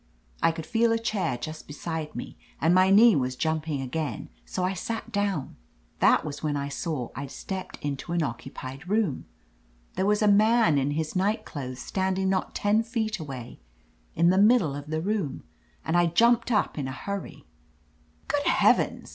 I could feel a chair just beside me, and my knee was jumping again, so I sat down. "That was when I saw I'd stepped into an occupied room. There was a man in his night clothes standing not ten feet away, in the mid dle of the room, and I jumped up in a hurry. "*Good heavens!'